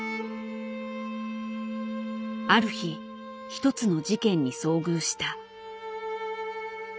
ある日一つの事件に遭遇した。